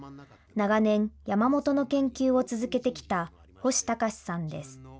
長年、山本の研究を続けてきた星貴さんです。